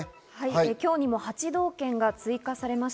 今日にも８道県が追加されます。